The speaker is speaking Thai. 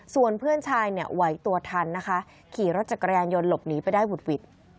ส่วนเพื่อนชายเนี่ยไหวตัวทันนะคะขี่รถจักรยานยนต์หลบหนีไปได้หุดหวิด